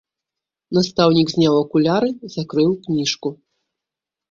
Настаўнік зняў акуляры, закрыў кніжку.